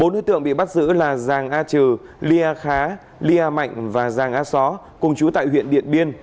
bốn đối tượng bị bắt giữ là giàng a trừ lya khá lia mạnh và giàng a xó cùng chú tại huyện điện biên